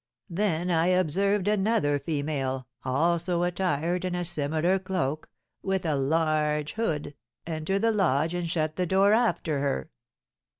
Then I observed another female, also attired in a similar cloak, with a large hood, enter the lodge and shut the door after her.